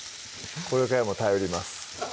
これからも頼ります